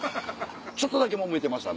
ちょっとだけもめてました